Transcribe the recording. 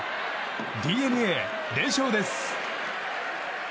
ＤｅＮＡ、連勝です！